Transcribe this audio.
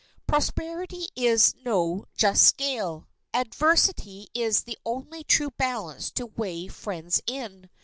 Prosperity is no just scale; adversity is the only true balance to weigh friends in.